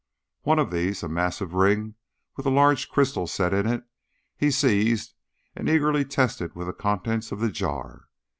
One of these, a massive ring with a large crystal set in it, he seized and eagerly tested with the contents of the jar.